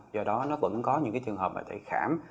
do đó nó vẫn có những trường hợp thầy khảm